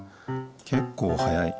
けっこうはやい。